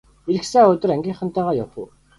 Ирэх сайн өдөр ангийнхантайгаа явах уу!